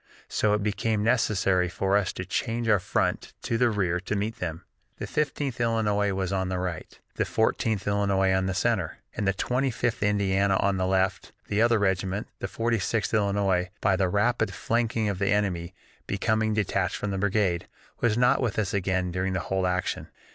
So it became necessary for us to change our front to the rear to meet them. "The Fifteenth Illinois was on the right, the Fourteenth Illinois in the center, and the Twenty fifth Indiana on the left, the other regiment, the Forty sixth Illinois, by the rapid flanking of the enemy becoming detached from the brigade, was not with us again during the whole action.